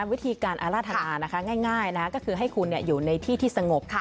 วิธีการอาราธนาง่ายก็คือให้คุณอยู่ในที่ที่สงบ